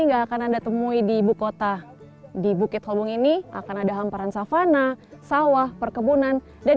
enggak akan anda temui di ibukota di bukit holbung ini akan ada hamparan savana sawah perkebunan dan